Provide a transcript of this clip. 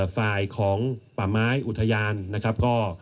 ฝ่ายของป่าไม้อุทยานนะครับก็